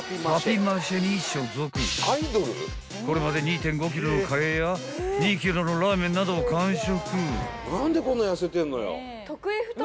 ［これまで２．５ｋｇのカレーや２ｋｇのラーメンなどを完食］